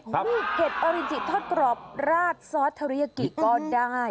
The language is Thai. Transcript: เห็ดอรินจิทอดกรอบราชซอสทะเลียกกี่ก็ได้